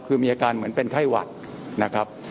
คือมีอาการเหมือนเป็นไข้หวัดนะครับ